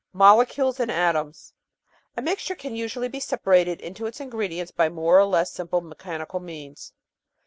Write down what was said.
Molecules and Atoms A mixture can usually be separated into its ingredients by more or less simple mechanical means.